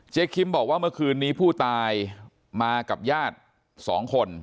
คิมบอกว่าเมื่อคืนนี้ผู้ตายมากับญาติ๒คน